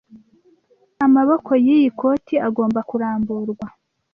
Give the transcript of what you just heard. Amaboko yiyi koti agomba kuramburwa.